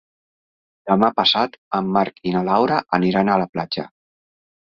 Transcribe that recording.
Demà passat en Marc i na Laura aniran a la platja.